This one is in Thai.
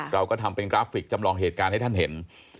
เราก็ทำเป็นกราฟิกจำลองเหตุการณ์ให้ท่านเห็น